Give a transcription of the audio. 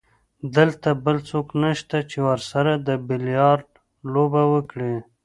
دلته بل څوک نشته چې ورسره د بیلیارډ لوبه وکړي.